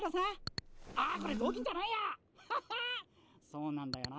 そうなんだよな。